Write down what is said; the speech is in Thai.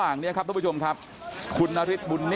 อยากจะเห็นว่าลูกเป็นยังไงอยากจะเห็นว่าลูกเป็นยังไง